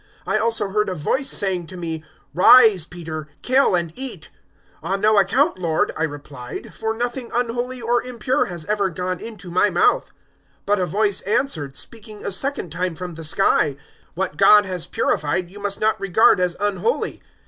011:007 I also heard a voice saying to me, "`Rise, Peter, kill and eat.' 011:008 "`On no account, Lord,' I replied, `for nothing unholy or impure has ever gone into my mouth.' 011:009 "But a voice answered, speaking a second time from the sky, "`What God has purified, you must not regard as unholy.'